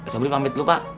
sobri pamit dulu pak